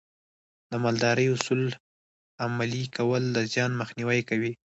د مالدارۍ اصول عملي کول د زیان مخنیوی کوي.